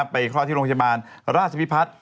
คลอดที่โรงพยาบาลราชพิพัฒน์